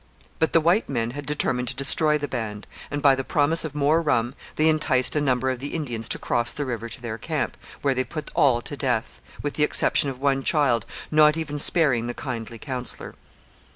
But the white men had determined to destroy the band; and by the promise of more rum they enticed a number of the Indians to cross the river to their camp, where they put all to death, with the exception of one child, not even sparing the kindly counsellor.